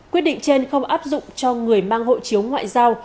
quyết định trên không áp dụng cho người mang hộ chiếu ngoại giao